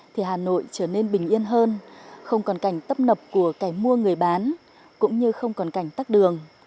thì hà nội trở nên bình yên hơn không còn cảnh tấp nập của kẻ mua người bán cũng như không còn cảnh tắt đường